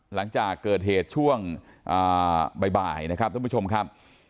หลังจากเกิดเหตุช่วงบ่ายนะครับท่านผู้ชมครับ